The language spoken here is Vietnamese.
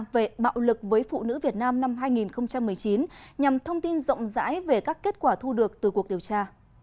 về bạo lực với phụ nữ việt nam năm hai nghìn một mươi chín nhằm thông tin rộng rãi về các kết quả thu được từ cuộc điều tra